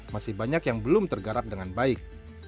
masih banyak yang belum tergarap dengan baik